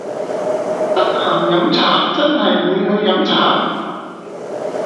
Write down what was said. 得閒飲茶真係會去飲茶！？